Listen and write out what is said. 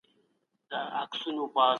پخوا هم خلګو ټولني ته پام کاوه.